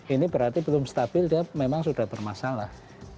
ini berarti belum stabil dia memang sudah bermasalah